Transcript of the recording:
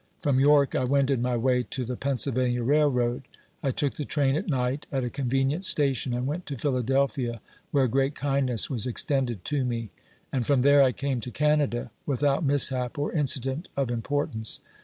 .From York, I wended my way to the Pennsylvania railroad. I took the train at night, at a convenient station, and went to Philadelphia, where great kindness was extended to me; and from there I came to Canada, without mishap or incident of importance.